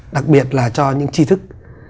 đặc biệt là cho những trí thức